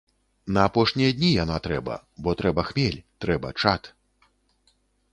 На апошнія дні яна трэба, бо трэба хмель, трэба чад.